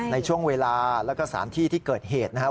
ในช่วงเวลาแล้วก็สถานที่ที่เกิดเหตุนะครับ